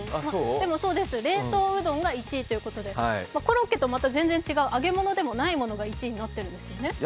でもそうです、冷凍うどんが１位ということで、コロッケと全然違う揚げ物ではないものが１位なんです。